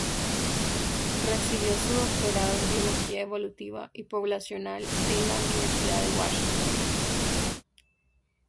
Recibió su doctorado en biología evolutiva y poblacional de la Universidad de Washington, St.